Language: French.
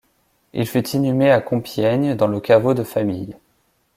Il fut inhumé à Compiègne dans le caveau de famille.